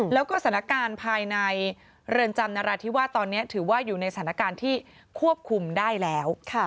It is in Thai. แล้วก็สถานการณ์ภายในเรือนจำนราธิวาสตอนนี้ถือว่าอยู่ในสถานการณ์ที่ควบคุมได้แล้ว